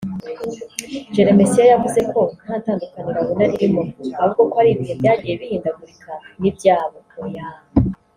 Jeremesiya yavuze ko nta tandukaniro abona ririmo ahubwo ko ari ibihe byagiye bihindagurika n’ibyabo ‘oyaaa